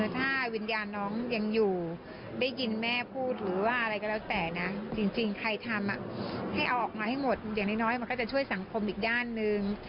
ถ้าวิญญาณน้องยังอยู่ได้ยินแม่พูดหรือว่าอะไรก็แล้วแต่นะจริงใครทำให้เอาออกมาให้หมดอย่างน้อยมันก็จะช่วยสังคมอีกด้านหนึ่ง